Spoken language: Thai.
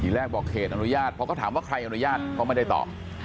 แรกบอกเขตอนุญาตเพราะเขาถามว่าใครอนุญาตก็ไม่ได้ตอบ